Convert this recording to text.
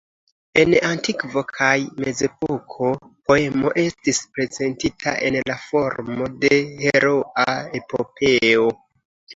En antikvo kaj mezepoko poemo estis prezentita en la formo de heroa epopeo.